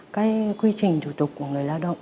cái quy trình chủ tục của người lao động